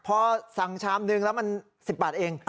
พอสั่งชามหนึ่งแล้วมัน๑๐บาทเอง